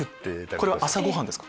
これは朝ごはんですか？